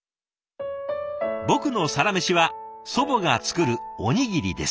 「僕のサラメシは、祖母がつくるおにぎりです。